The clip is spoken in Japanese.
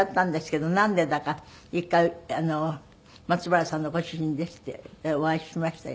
なんでだか１回松原さんのご主人ですってお会いしましたよ。